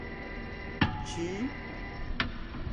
چی؟